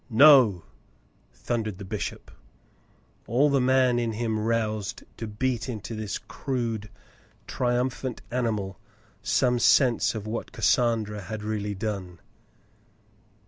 "No," thundered the bishop, all the man in him roused to beat into this crude, triumphant animal some sense of what Cassandra had really done.